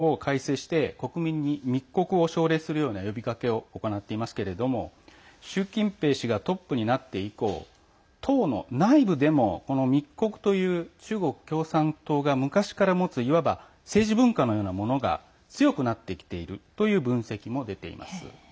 中国政府は反スパイ法を改正して国民に密告を奨励するような呼びかけを行っていますけど習近平氏がトップになって以降党の内部でも、この密告という中国共産党が昔から持ついわば政治文化のようなものが強くなってきているという分析も出ています。